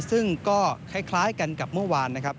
ซึ่งก็คล้ายกันกับเมื่อวานนะครับ